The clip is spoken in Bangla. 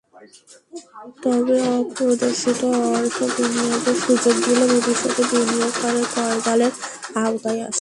তবে অপ্রদর্শিত অর্থ বিনিয়োগের সুযোগ দিলে ভবিষ্যতে সেসব বিনিয়োগকারী কর-জালের আওতায় আসবে।